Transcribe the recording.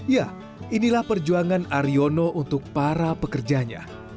ya inilah perjuangan aryono untuk para pekerjanya